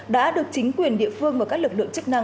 đã được chính quyền địa phương và các lực lượng chức năng